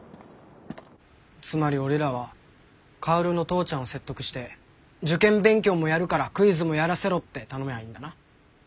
つまり俺らは薫の父ちゃんを説得して受験勉強もやるからクイズもやらせろって頼めばいいんだな。